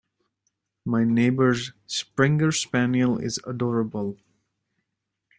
My neighbour’s springer spaniel is adorable